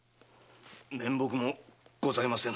面目もございません。